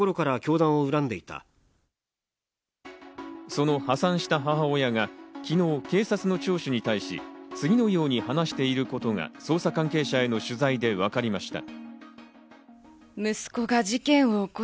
その破産した母親が昨日、警察の聴取に対し次のように話していることが捜査関係者への取材でわかりました。